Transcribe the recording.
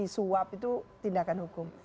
terus jawab itu tindakan hukum